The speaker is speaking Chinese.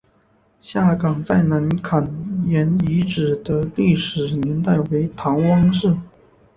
下岗再南坎沿遗址的历史年代为唐汪式。